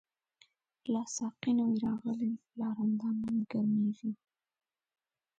لا ساقی نوی راغلی، لا رندان نوی گرمیږی